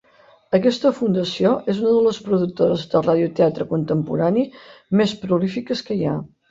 Aquesta fundació és una de les productores de radioteatre contemporani més prolífiques que hi ha.